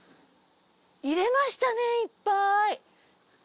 入れましたねいっぱい。